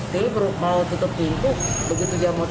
tapi mau tutup pintu begitu dia mulai